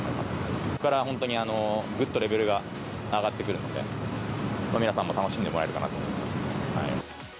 ここから本当に、ぐっとレベルが上がってくるので、皆さんも楽しんでもらえるかなと思います。